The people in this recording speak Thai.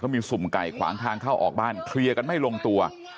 มีสุ่มไก่ขวางทางเข้าออกบ้านเคลียร์กันไม่ลงตัว